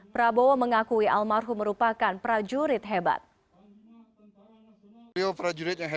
prabowo mengakui al markhum merupakan prajurit hebat